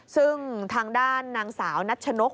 ซึ่งทางด้านนางสาวนัชนก